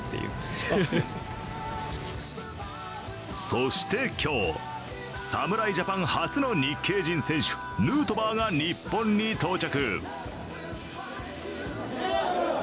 そして今日、侍ジャパン初の日系人選手ヌートバーが日本に到着。